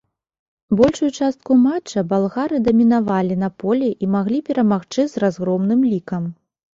Большую частку матча балгары дамінавалі на полі і маглі перамагчы з разгромным лікам.